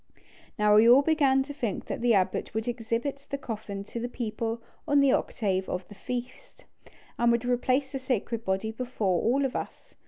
Now we all began to think that the abbot would exhibit the coffin to the people on the octave of the feast, and would replace the sacred body before all of us.